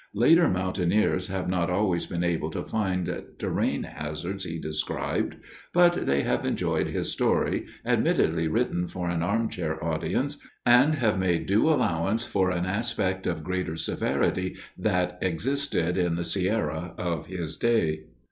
Later mountaineers have not always been able to find terrain hazards he described but they have enjoyed his story, admittedly written for an armchair audience, and have made due allowance for an aspect of greater severity that existed in the Sierra of his day.